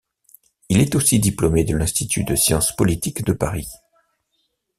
Il est aussi diplômé de l’Institut de Sciences Politiques de Paris.